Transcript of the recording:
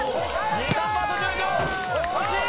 時間はあと１０秒惜しい！